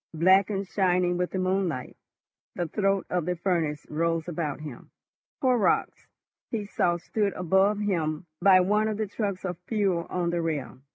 Black and shining with the moonlight, the throat of the furnace rose about him. Horrocks, he saw, stood above him by one of the trucks of fuel on the rail.